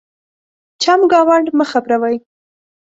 چمګاونډ مه خبرَوئ.